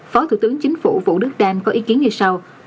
phó thủ tướng chính phủ vũ đức đam có ý kiến như sau